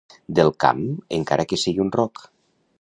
Del camp, encara que sigui un roc.